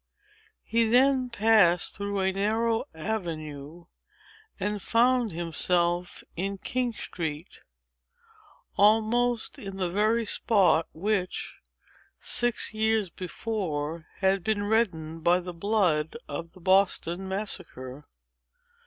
He then passed through a narrow avenue, and found himself in King Street, almost in the very spot which, six years before, had been reddened by the blood of the Boston Massacre.